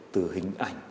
từ hình ảnh